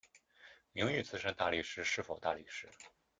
名誉资深大律师是否大律师？